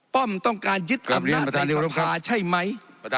ป้อมต้องการยึดอำนาจในสภาใช่ไหม